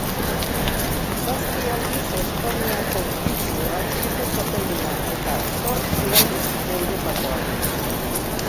Zazpi aldiz Espainiako pisu arineko txapelduna, eta zortzi aldiz Europakoa.